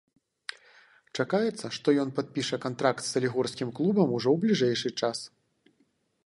Чакаецца, што ён падпіша кантракт з салігорскім клубам ужо ў бліжэйшы час.